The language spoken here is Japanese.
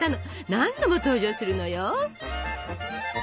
何度も登場するのよ。